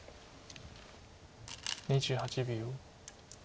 ２８秒。